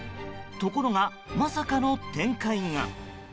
ところが、まさかの展開が。